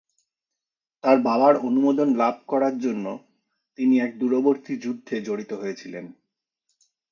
তার বাবার অনুমোদন লাভ করার জন্য তিনি এক দূরবর্তী যুদ্ধে জড়িত হয়েছিলেন।